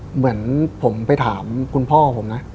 เหมือนผมไปถามคุณพ่อผมนะ